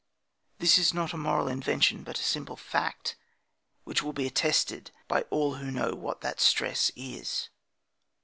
This is not a moral invention, but a simple fact, which will be attested by all who know what that stress is.